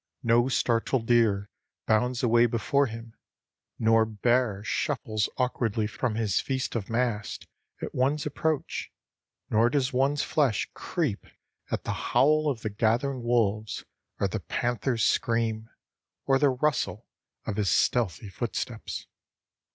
No startled deer bounds away before him, nor bear shuffles awkwardly from his feast of mast at one's approach, nor does one's flesh creep at the howl of the gathering wolves or the panther's scream or the rustle of his stealthy footsteps.